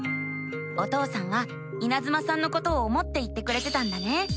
お父さんはいなずまさんのことを思って言ってくれてたんだね。